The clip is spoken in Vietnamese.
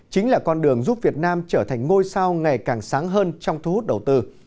chính là con đường giúp việt nam trở thành ngôi sao ngày càng sáng hơn trong thu hút đầu tư